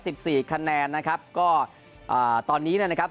สิบสี่คะแนนนะครับก็อ่าตอนนี้เนี่ยนะครับ